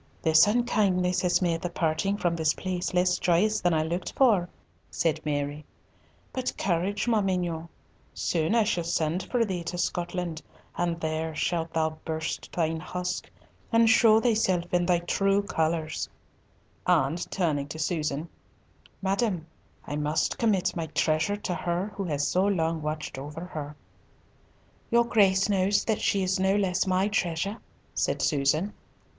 "This unkindness has made the parting from this place less joyous than I looked for," said Mary, "but courage, ma mignonne. Soon shall I send for thee to Scotland, and there shalt thou burst thine husk, and show thyself in thy true colours;" and turning to Susan, "Madam, I must commit my treasure to her who has so long watched over her." "Your Grace knows that she is no less my treasure," said Susan.